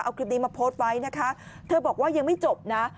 เอาคลิปนี้มาโพสต์ไว้นะคะเธอบอกว่ายังไม่จบนะ